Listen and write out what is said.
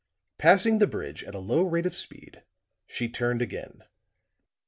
Passing the bridge at a low rate of speed, she turned again.